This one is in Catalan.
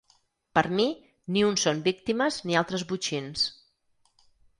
Per mi, ni uns són víctimes ni altres botxins.